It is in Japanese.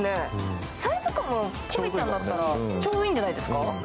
サイズ感もチビちゃんだったらちょうどいいんじゃないですか。